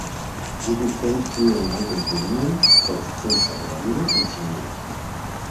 Li ricevis plurajn altajn premiojn por scienca realigo en Ĉinio.